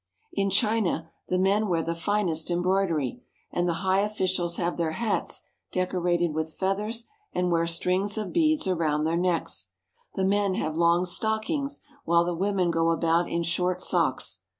In China the men wear the finest embroidery, and the high officials have their hats decorated with feathers and Long Nails. 172 CURIOUS CHINESE CUSTOMS wear strings of beads around their necks. The men have long stockings, while the women go about in short socks.